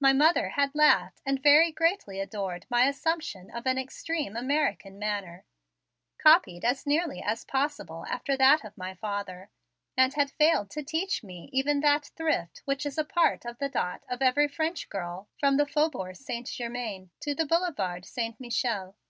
My mother had laughed and very greatly adored my assumption of an extreme American manner, copied as nearly as possible after that of my father, and had failed to teach to me even that thrift which is a part of the dot of every French girl from the Faubourg St. Germaine to the Boulevard St. Michel.